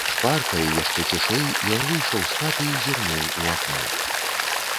Шпарка і яшчэ цішэй ён выйшаў з хаты і зірнуў у акно.